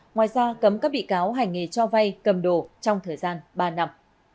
ngoài ra cấm các bị cáo hành nghề cho vay cầm đồ trong thời gian ba năm